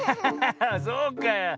そうかあ。